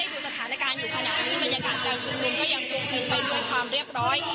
บรรยากาศกรรมก็ยังถูกถึงเป็นความเรียบร้อย